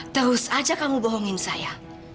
terus aja kamu bohongin saya